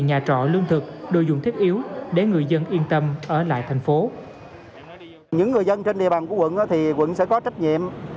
những người dân trên địa bàn của quận thì quận sẽ có trách nhiệm